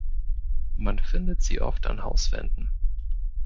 Man findet sie oft an Hauswänden.